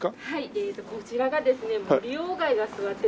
はいこちらがですね